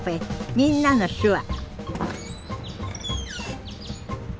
「みんなの手話」